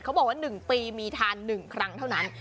บอกว่า๑ปีมีทาน๑ครั้งเท่านั้น